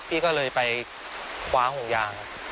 พี่ก็เลยไปคว้าห่วงยาง